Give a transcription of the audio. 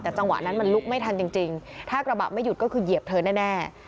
แต่จังหวะนั้นมันลุกไม่ทันจริงถ้ากระบะไม่หยุดก็คือเหยียบเธอแน่